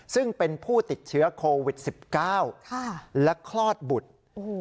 ซึ่งเป็นผู้ติดเชื้อโควิดสิบเก้าค่ะและคลอดบุตรอื้อหู